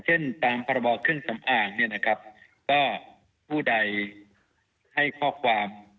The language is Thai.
ตามพรบเครื่องสำอางเนี่ยนะครับก็ผู้ใดให้ข้อความ